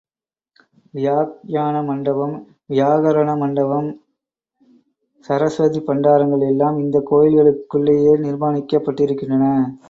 வியாக்யான மண்டபம், வியாகரண மண்டடம், சரஸ்வதி பண்டாரங்கள் எல்லாம் இந்த கோயில்களுக்குள்ளேயே நிர்மாணிக்கப்பட்டிருக்கின்றன.